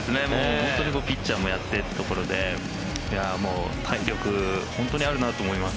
本当にピッチャーもやってというところで体力、本当にあるなと思います。